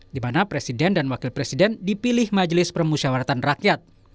di mana presiden dan wakil presiden dipilih majelis permusyawaratan rakyat